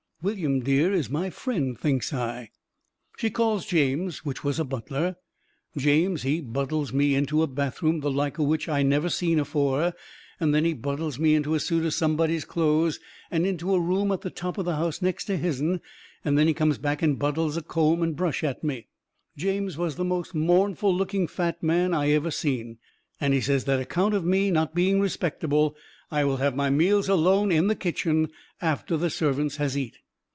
"William Dear is my friend," thinks I. She calls James, which was a butler. James, he buttles me into a bathroom the like o' which I never seen afore, and then he buttles me into a suit o' somebody's clothes and into a room at the top o' the house next to his'n, and then he comes back and buttles a comb and brush at me. James was the most mournful looking fat man I ever seen, and he says that account of me not being respectable I will have my meals alone in the kitchen after the servants has eat.